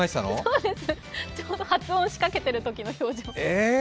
そうです、ちょうど発音しかけてるときの表情。